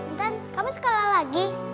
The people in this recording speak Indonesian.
nanti kamu sekolah lagi